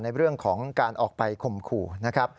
ในเรื่องของการออกไปข่มขู่นะครับ